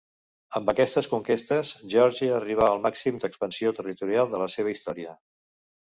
Amb aquestes conquestes Geòrgia arribà al màxim d'expansió territorial de la seva història.